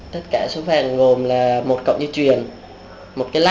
tất cả số phạm gồm là một cộng như truyền một cái lát